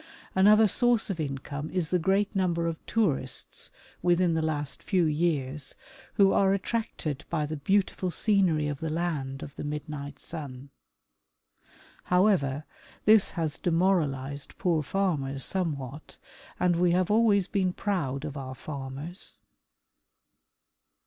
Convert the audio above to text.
Another source of income is the great number of tourists within the last few years who are attracted by the beautiful scenery of the land of the midnight sun. Hov/ever, this has demoralized poor farmers somewhat, and we have always been proud of our farmers.